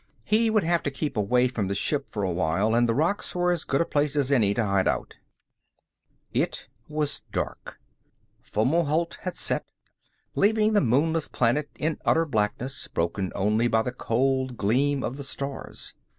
He would have to keep away from the ship for a while, and the rocks were as good a place as any to hide out. It was dark. Fomalhaut had set, leaving the moonless planet in utter blackness, broken only by the cold gleam of the stars.